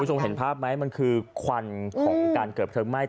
คุณสงฆ์เห็นภาพไหมมันคือควันของการเกิบเทิงม่าย